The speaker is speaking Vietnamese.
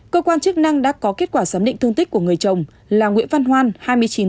cơ quan chức năng đã có kết quả giám định thương tích của người chồng là nguyễn văn hoan